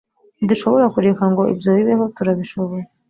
ntidushobora kureka ngo ibyo bibeho, turabishoboye